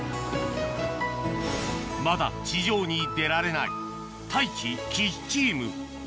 まだ地上に出られない太一・岸チーム